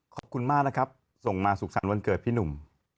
ขอบคุณมากนะครับส่งมาสุขสรรค์วันเกิดพี่หนุ่ม